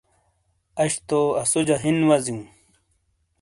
اش تو اسوجہ ہِن وزیوں۔